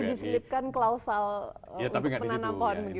jadi diselipkan klausal untuk menanam pohon gitu pak ya